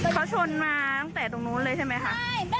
เขาชนมาตั้งแต่ตรงนู้นเลยใช่ไหมคะ